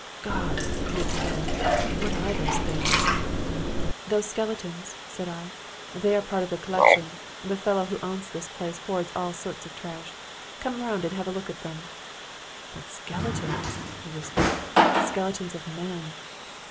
"'God!' he exclaimed, 'what are those things?' "'Those skeletons?' said I. 'They are part of the collection. The fellow who owns this place hoards all sorts of trash. Come round and have a look at them.' "'But skeletons!' he whispered. 'Skeletons of men!